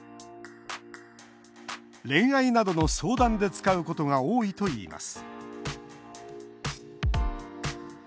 恋愛などの相談で使うことが多いといいます